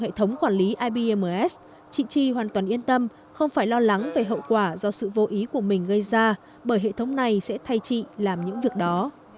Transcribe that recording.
hệ thống quản lý ibms chị chi hoàn toàn yên tâm không phải lo lắng về hậu quả do sự vô ý của mình gây ra bởi hệ thống này sẽ thay chị làm những việc đó